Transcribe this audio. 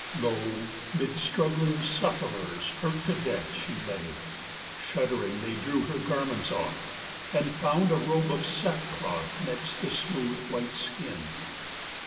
Lo, Mid struggling sufferers, hurt to death, she lay! Shuddering, they drew her garments off and found A robe of sackcloth next the smooth, white skin.